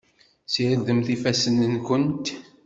Sirdemt ifassen-nkent.